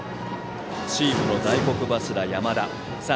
チームの大黒柱、山田です。